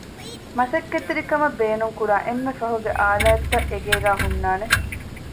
މަސައްކަތްތެރިކަމަށް ބޭނުންކުރާ އެންމެ ފަހުގެ އާލާތްތައް އެގޭގައި ހުންނާނެ